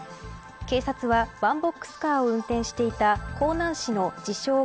警察はワンボックスカーを運転していた江南市の自称